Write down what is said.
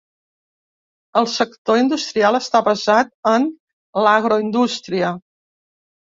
El sector industrial està basat en l'agroindústria.